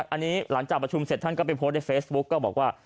อันนี้หลังจากประชุมเสร็จท่านก็ไปโพสต์ในเฟซบุ๊กก็บอกว่า